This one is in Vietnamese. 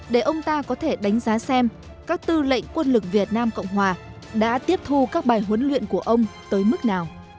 để ông ta có thể đánh giá xem các tư lệnh quân lực việt nam cộng hòa đã tiếp thu các bài huấn luyện của ông tới mức nào